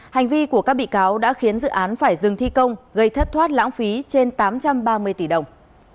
hành vi của các bị cáo đã khiến dự án phải dừng thi công gây thất thoát lãng phí trên tám trăm ba mươi tỷ đồng